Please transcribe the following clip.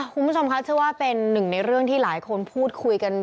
คุณผู้ชมคะเชื่อว่าเป็นหนึ่งในเรื่องที่หลายคนพูดคุยกัน